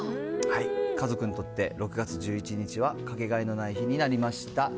家族にとって６月１１日は掛けがえのない日になりました。